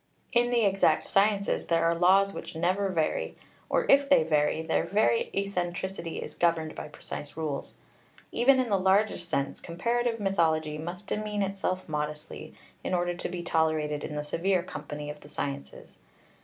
In the exact sciences, there are laws which never vary, or if they vary, their very eccentricity is governed by precise rules. Even in the largest sense, comparative mythology must demean itself modestly in order to be tolerated in the severe company of the sciences.